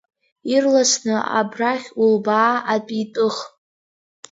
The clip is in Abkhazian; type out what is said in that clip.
Ирласны абрахь улбаа, атәитәых.